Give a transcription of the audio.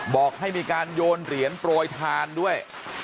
บอกให้มีการโยนเหรียญโปรยทานด้วย